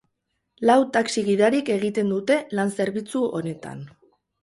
Lau taxi-gidarik egiten dute lan zerbitzu honetan.